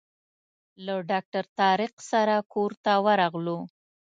له ډاکټر طارق سره کور ته ورغلو.